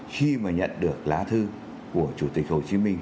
khi mà nhận được lá thư của chủ tịch hồ chí minh